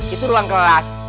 itu ruang kelas